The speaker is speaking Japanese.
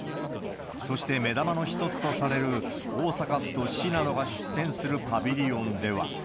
そして、目玉の一つとされる、大阪府と市などが出展するパビリオンでは。